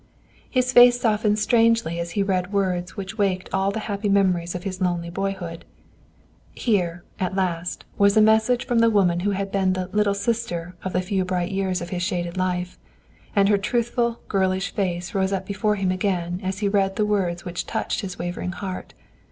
His face softened strangely as he read words which waked all the happy memories of his lonely boyhood. Here, at last, vas a message from the woman who had been the "Little Sister" of the few bright years of his shaded life. And her truthful, girlish face rose up before him again, as he read the words which touched his wavering heart.